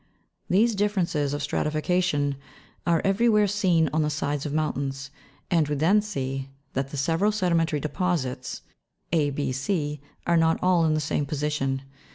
These differences of stratification are everywhere seen on the sides of mountains, and we then see that the several sedimentary deposits, a, 6, c, are not all in the same position.